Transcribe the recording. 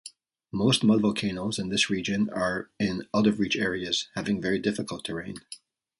Most mud volcanoes in this region are in out-of-reach areas having very difficult terrain.